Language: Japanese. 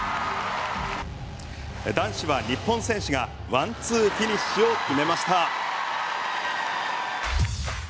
男子は日本選手がワンツーフィニッシュを決めました。